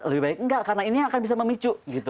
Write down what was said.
lebih baik enggak karena ini akan bisa memicu gitu